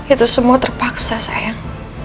itu semua terpaksa sayang